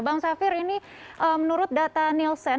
bang safir ini menurut data nielsen